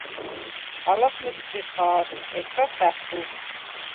ალას მჷცხი ხა̄რ, ეჩას – ა̈თუ.